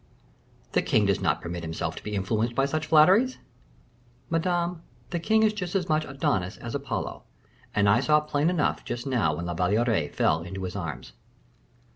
"The king does not permit himself to be influenced by such flatteries." "Madame, the king is just as much Adonis as Apollo; and I saw plain enough just now when La Valliere fell into his arms."